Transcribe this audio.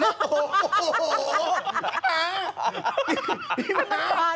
พี่น้ำ